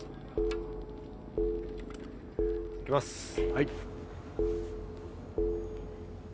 行きます。